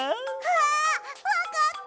あわかった！